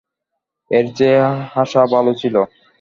এর চেয়ে হাসা ভালো ছিল।